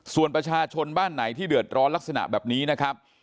ส่วนประชาชนบ้านไหนที่เดือดร้อนลักษณะแบบนี้นะครับ